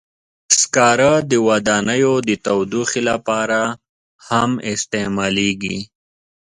سکاره د ودانیو د تودوخې لپاره هم استعمالېږي.